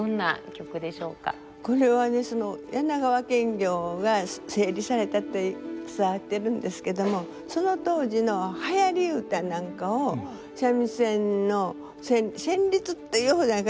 これは柳川検校が整理されたって伝わってるんですけどもその当時のはやり歌なんかを三味線の旋律っていうほどじゃないか。